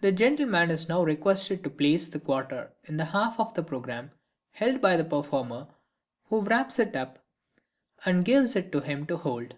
The gentleman is now requested to place the quarter in the half of the programme held by the performer, who wraps it up and gives it to him to hold.